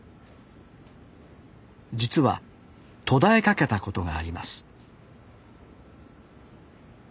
実は途絶えかけたことがあります